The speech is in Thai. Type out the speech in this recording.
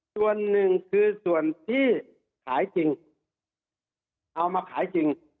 ส่วนหนึ่งคือส่วนที่ขายจริงเอามาขายจริง